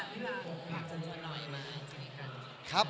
อ่าพี่หล่ะอยากจะช่วยหน่อยมั้ยจริงครับ